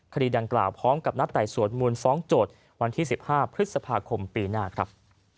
คดีดังกล่าวพร้อมกับนัดไต่สวนมูลฟ้องโจทย์วันที่๑๕พฤษภาคมปีหน้าครับ